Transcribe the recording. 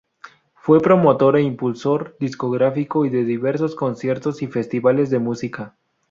Fue promotor e impulsor discográfico y de diversos conciertos y festivales de música.